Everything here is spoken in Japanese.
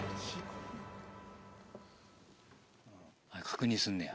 確認すんねや。